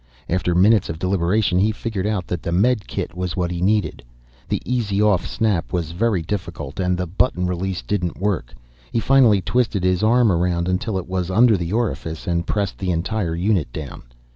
After minutes of deliberation he figured out that the medikit was what he needed. The easy off snap was very difficult and the button release didn't work. He finally twisted his arm around until it was under the orifice and pressed the entire unit down.